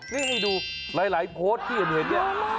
นี่ให้ดูหลายโพสต์ที่เห็นเนี่ย